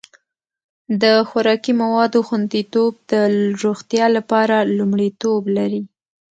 د خوراکي موادو خوندیتوب د روغتیا لپاره لومړیتوب لري.